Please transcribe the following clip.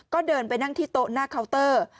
ก็เดินไปนั่งที่โต๊ะหน้าเคาน์เตอร์